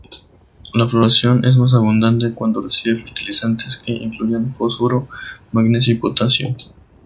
La floración es más abundante cuando recibe fertilizantes que incluyan fósforo, magnesio y potasio.